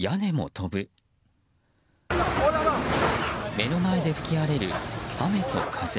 目の前で吹き荒れる雨と風。